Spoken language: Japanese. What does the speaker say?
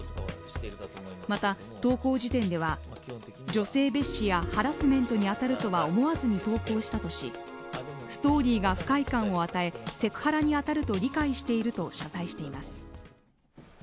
また投稿時点では、女性蔑視やハラスメントに当たるとは思わずに投稿したとし、ストーリーが不快感を与え、セクハラに当たると理解していると謝罪しています。